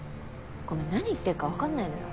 ごめん何言ってっか分かんないのよ。